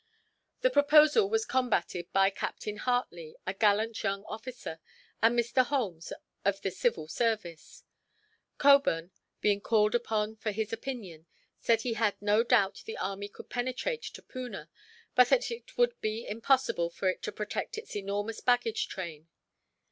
The proposal was combated by Captain Hartley, a gallant young officer, and Mr. Holmes of the Civil Service. Cockburn, being called upon for his opinion, said he had no doubt the army could penetrate to Poona; but that it would be impossible for it to protect its enormous baggage train.